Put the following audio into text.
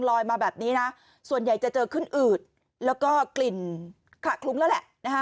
ลอยมาแบบนี้นะส่วนใหญ่จะเจอขึ้นอืดแล้วก็กลิ่นขะคลุ้มแล้ว